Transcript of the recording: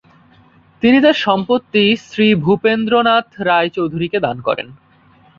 তিনি তার সম্পত্তি শ্রী ভূপেন্দ্রনাথ রায় চৌধুরীকে দান করেন।